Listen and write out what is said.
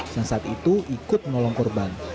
yang saat itu ikut menolong korban